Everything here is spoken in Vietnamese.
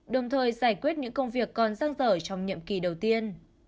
đồng thời giải quyết những công việc còn răng rở trong nhiệm kỳ đầu tiên